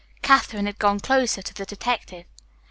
Katherine had gone closer to the detective.